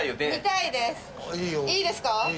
「いいですか？」